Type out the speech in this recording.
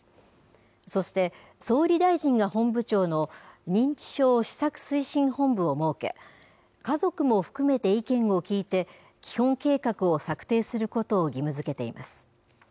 そして、総理大臣が本部長の認知症施策推進本部を設け、家族も含めて意見を聞いて、基本計画を策定することを義務づけています。